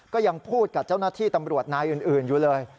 ก็ยังพูดกับเจ้าหน้าที่ตำรวจนายอื่นอยู่เลย